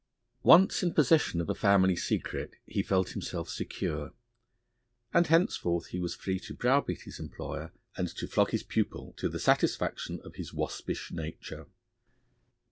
Once in possession of a family secret, he felt himself secure, and henceforth he was free to browbeat his employer and to flog his pupil to the satisfaction of his waspish nature.